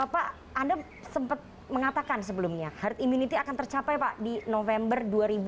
pak anda sempat mengatakan sebelumnya herd immunity akan tercapai pak di november dua ribu dua puluh